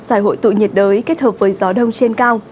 giải hội tụ nhiệt đới kết hợp với gió đông trên cao